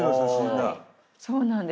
はいそうなんです。